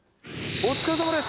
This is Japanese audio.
お疲れさまです。